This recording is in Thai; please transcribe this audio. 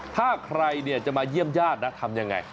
ถ้าใครจะมาเยี่ยมญาตินะทำยังไง